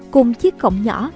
cùng chiếc cổng nhỏ